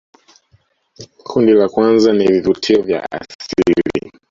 kundi la kwanza ni vivutio vya asili